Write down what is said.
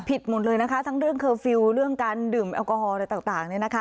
หมดเลยนะคะทั้งเรื่องเคอร์ฟิลล์เรื่องการดื่มแอลกอฮอล์อะไรต่างเนี่ยนะคะ